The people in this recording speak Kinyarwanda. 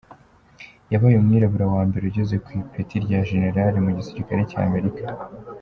yabaye umwirabura wa mbere ugeze ku ipeti rya general mu gisirikare cya Amerika.